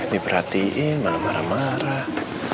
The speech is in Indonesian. diperhatiin malam marah marah